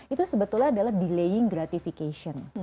itu sebetulnya adalah delaying gratification